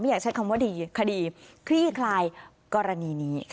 อยากใช้คำว่าดีคดีคลี่คลายกรณีนี้